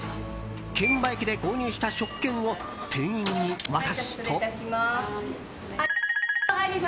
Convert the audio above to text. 券売機で購入した食券を店員に渡すと。